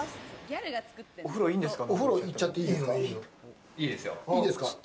お風呂いいんですか？